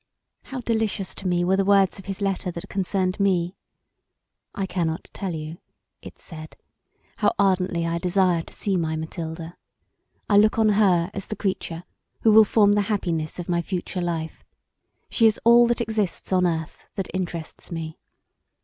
How delicious to me were the words of his letter that concerned me: "I cannot tell you," it said, "how ardently I desire to see my Mathilda. I look on her as the creature who will form the happiness of my future life: she is all that exists on earth that interests me.